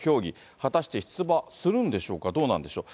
果たして出馬するんでしょうか、どうなんでしょう。